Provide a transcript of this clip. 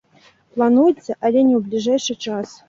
Плануецца, але не ў бліжэйшы час.